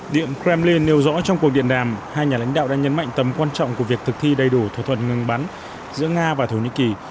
điện kremlin nêu rõ trong cuộc điện đàm hai nhà lãnh đạo đã nhấn mạnh tầm quan trọng của việc thực thi đầy đủ thỏa thuận ngừng bắn giữa nga và thổ nhĩ kỳ